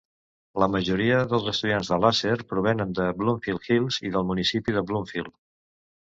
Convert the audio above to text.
La majoria dels estudiants de Lahser provenen de Bloomfield Hills i del municipi de Bloomfield.